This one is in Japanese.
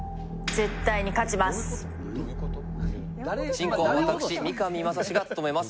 進行は私三上真史が務めます。